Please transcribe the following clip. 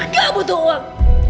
aku gak butuh uang